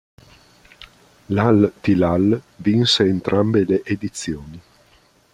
L'Al-Tilal vinse entrambe le edizioni.